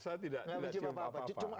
saya tidak saya tidak cium apa apa